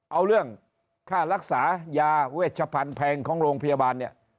เอาเรื่องค่ารักษายาเวชพันธุ์แพงของโรงพยาบาลเนี่ย